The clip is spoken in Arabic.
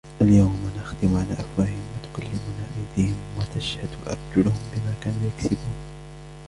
الْيَوْمَ نَخْتِمُ عَلَى أَفْوَاهِهِمْ وَتُكَلِّمُنَا أَيْدِيهِمْ وَتَشْهَدُ أَرْجُلُهُمْ بِمَا كَانُوا يَكْسِبُونَ